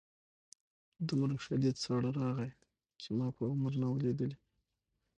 دومره شدید ساړه راغی چې ما په عمر نه و لیدلی